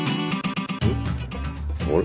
あれ？